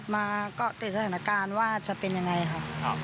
มาเกาะติดสถานการณ์ว่าจะเป็นยังไงค่ะ